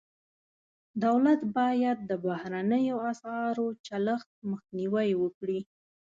دولت باید د بهرنیو اسعارو چلښت مخنیوی وکړي.